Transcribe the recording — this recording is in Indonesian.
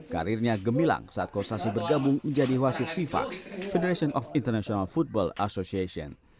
karirnya gemilang saat kosasi bergabung menjadi wasit fifa federation of international football association